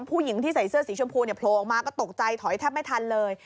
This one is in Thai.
ผู้หญิงที่ใส่เสื้อสีชมพูเนี่ยโผล่ออกมาก็ตกใจถอยแทบไม่ทันเลย